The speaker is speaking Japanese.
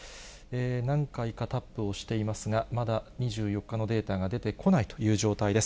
何回かタップをしていますが、まだ２４日のデータが出てこないという状態です。